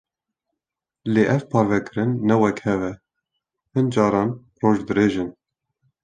Lê ev parvekirin ne wek hev e; hin caran roj dirêj in.